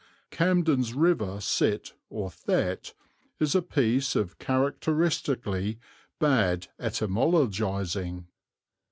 Camden's 'river Sit or Thet' is a piece of characteristically bad etymologising."